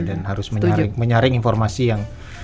dan harus mencari informasi yang lebih tepat gitu ya